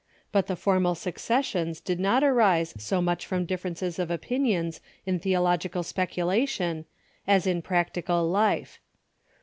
But the formal secessions did not arise so much from differences of opinions in theological Schism of speculation as in practical life.